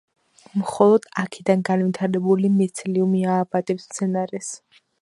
მხოლოდ აქედან განვითარებული მიცელიუმი აავადებს მცენარეს.